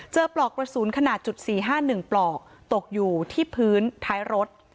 เจอปลอกประสูญขนาด๔๕๑ปลอกตกอยู่ที่พื้นท้ายรถ